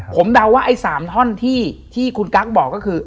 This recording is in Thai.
ผมเดาว่าไอ้๓ท่อนที่คุณกั๊กบอกก็คือ